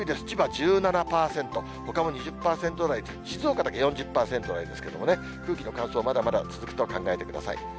千葉１７％、ほかも２０％台と、静岡だけ４０％ありますけどもね、空気の乾燥、まだまだ続くと考えてください。